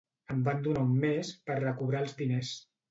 Em van donar un mes per recobrar els diners.